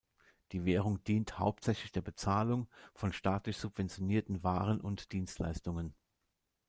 Die Währung dient hauptsächlich der Bezahlung von staatlich subventionierten Waren und Dienstleistungen.